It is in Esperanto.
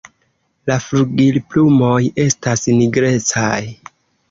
La flugilplumoj estas nigrecaj.